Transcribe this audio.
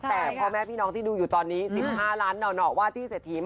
แต่พ่อแม่พี่น้องที่ดูอยู่ตอนนี้๑๕ล้านหน่อว่าที่เศรษฐี